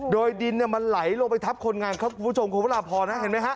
โดยดินมันไหลลงไปทับคนงานครับคุณผู้ชมคุณพระราพรนะเห็นไหมฮะ